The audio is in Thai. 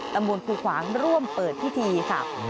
ตำบลครูขวางร่วมเปิดพิธีค่ะ